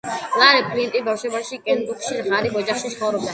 ლარი ფლინტი ბავშვობაში კენტუკიში, ღარიბ ოჯახში ცხოვრობდა.